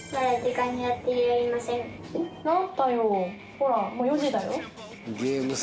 ほらもう４時だよ。